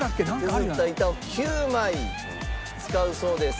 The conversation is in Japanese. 削った板を９枚使うそうです。